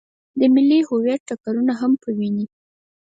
د ملي هویت ټکرونه هم په ويني.